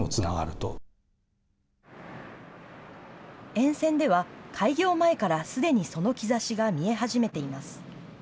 沿線では、開業前からすでにその兆しが見え始めています。